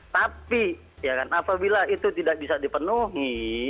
tapi apabila itu tidak bisa dipenuhi